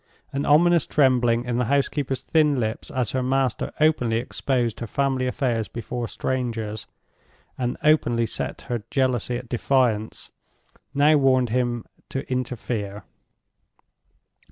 An ominous trembling in the housekeeper's thin lips, as her master openly exposed her family affairs before strangers, and openly set her jealously at defiance, now warned him to interfere.